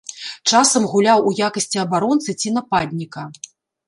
Часам гуляў у якасці абаронцы ці нападніка.